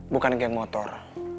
bukan geng motor